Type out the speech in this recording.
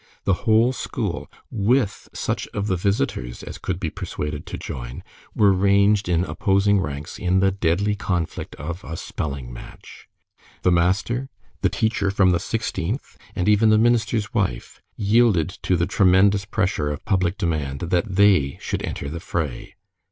The whole school, with such of the visitors as could be persuaded to join, were ranged in opposing ranks in the deadly conflict of a spelling match. The master, the teacher from the Sixteenth, and even the minister's wife, yielded to the tremendous pressure of public demand that they should enter the fray.